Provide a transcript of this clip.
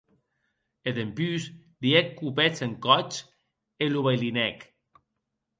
E dempús li hec copets en còth e lo bailinèc.